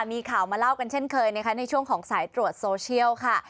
มีข่าวมาเล่ากันเช่นเคยนะคะในช่วงของสายตรวจโซเชียลค่ะ